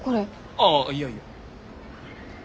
ああいやいや。